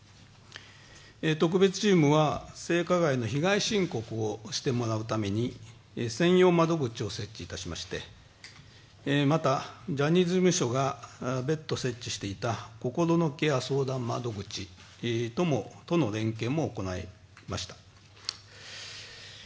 特別チームは性加害の被害申告をしてもらうために専用窓口を設置いたしましてまた、ジャニーズ事務所が別途設置していた心のケア相談窓口との連携も行いました。